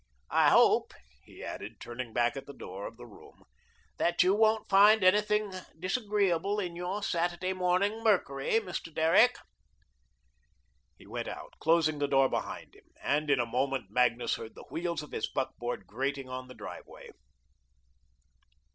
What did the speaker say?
I hope," he added, turning back at the door of the room, "that you won't find anything disagreeable in your Saturday morning 'Mercury,' Mr. Derrick." He went out, closing the door behind him, and in a moment, Magnus heard the wheels of his buckboard grating on the driveway.